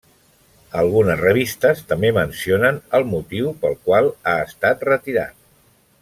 Algunes revistes també mencionen el motiu pel qual ha estat retirat.